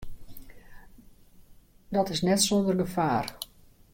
Dat is net sûnder gefaar.